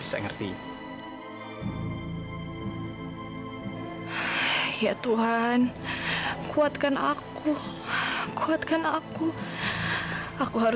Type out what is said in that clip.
untuk menguatkan bayar